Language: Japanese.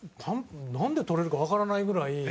なんで捕れるかわからないぐらい。